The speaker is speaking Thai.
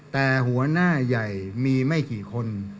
แต่หัวหน้าใหญ่มีไม่กี่คน